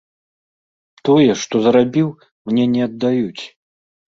Тое, што зарабіў, мне не аддаюць.